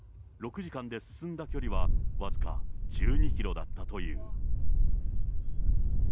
６時間で進んだ距離は僅か１２キロだったという。